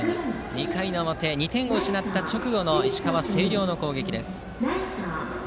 ２回の表、２点を失った直後の石川・星稜の攻撃です。